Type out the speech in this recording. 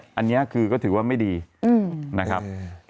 อันนี้คือก็ถือว่าไม่ดีนะครับ